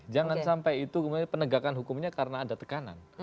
jangan sampai itu kemudian penegakan hukumnya karena ada tekanan